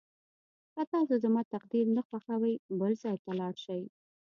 که تاسو زما تقریر نه خوښوئ بل ځای ته لاړ شئ.